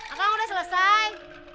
akang udah selesai